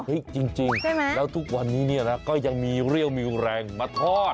จริงแล้วทุกวันนี้เนี่ยนะก็ยังมีเรี่ยวมิวแรงมาทอด